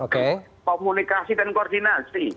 komunikasi dan koordinasi